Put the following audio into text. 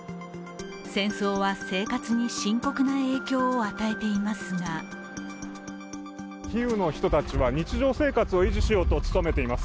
戦争は生活に深刻な影響を与えていますがキーウの人たちは日常生活を維持しようと努めています。